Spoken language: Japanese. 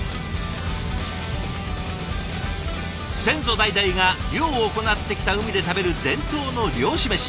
先祖代々が漁を行ってきた海で食べる伝統の漁師メシ。